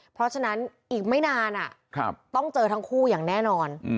เพราะฉะนั้นอีกไม่นานต้องเจอทั้งคู่อย่างแน่นอน